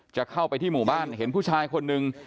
จะเข้าไปที่หมู่บ้านเห็นผู้ชายคนหนึ่ง